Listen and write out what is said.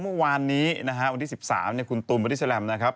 เมื่อวานนี้นะฮะวันที่สิบสามเนี้ยคุณตูมบอดี้แซลมนะครับ